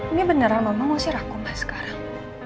ini beneran mama ngusir aku ma sekarang